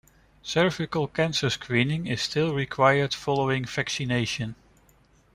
Cervical cancer screening is still required following vaccination.